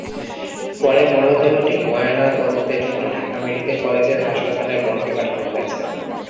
পরে মরদেহটি ময়নাতদন্তের জন্য ঢাকা মেডিকেল কলেজ হাসপাতালের মর্গে পাঠানো হয়।